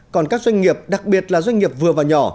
còn các doanh nghiệp đặc biệt là doanh nghiệp vừa và nhỏ